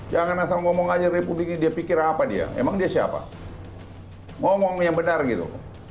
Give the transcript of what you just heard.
jangan asal ngomong aja republik ini dia pikir apa dia emang dia siapa ngomong yang benar gitu